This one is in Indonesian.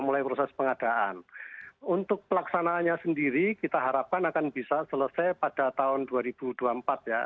mulai proses pengadaan untuk pelaksanaannya sendiri kita harapkan akan bisa selesai pada tahun dua ribu dua puluh empat ya